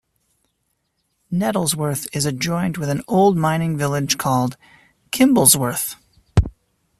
Nettlesworth is adjoined with an old mining village called Kimblesworth.